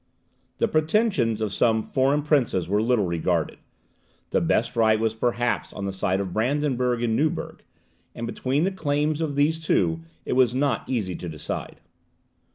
The pretensions of some foreign princes were little regarded. The best right was perhaps on the side of Brandenburg and Neuburg, and between the claims of these two it was not easy to decide.